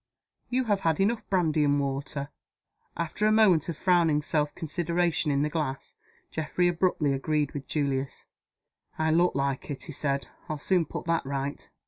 You have had enough brandy and water." After a moment of frowning self consideration in the glass, Geoffrey abruptly agreed with Julius "I look like it," he said. "I'll soon put that right."